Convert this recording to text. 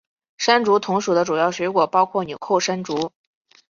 山竹同属的主要水果包括钮扣山竹。